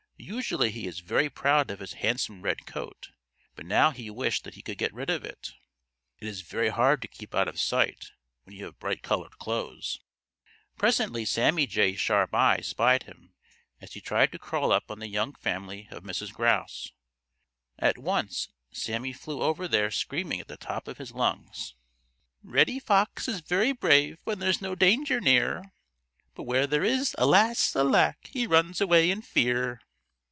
Usually he is very proud of his handsome red coat, but now he wished that he could get rid of it. It is very hard to keep out of sight when you have bright colored clothes. Presently Sammy Jay's sharp eyes spied him as he tried to crawl up on the young family of Mrs. Grouse. At once Sammy flew over there screaming at the top of his lungs: "Reddy Fox is very brave when there's no danger near; But where there is, alas, alack! he runs away in fear."